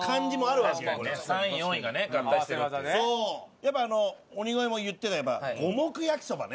やっぱあの鬼越も言ってた五目焼そばね。